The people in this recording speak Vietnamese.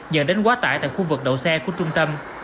dẫn đến quá tải tại khu vực đậu xe của trung tâm